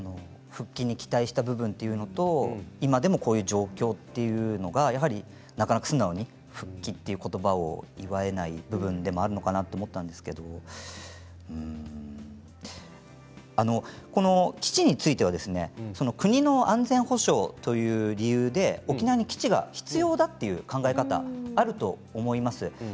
復帰に期待した部分というのと今でもこういう状況というのがなかなか素直に復帰ということばを祝えない部分でもあるのかなと思ったんですけれどこの基地については国の安全保障という理由で沖縄に基地が必要だという考え方があると思います。